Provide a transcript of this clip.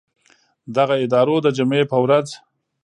دغه ادارو د جمعې په ورځ